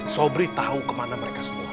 sobri tahu kemana mereka semua